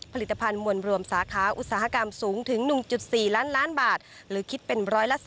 ผลิตภัณฑ์มวลรวมสาขาอุตสาหกรรมสูงถึง๑๔ล้านล้านบาทหรือคิดเป็น๑๓